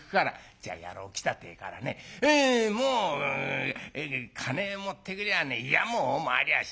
じゃあ野郎来たっていうからねもう金持ってくりゃあねいやもうまわりゃあしないよ。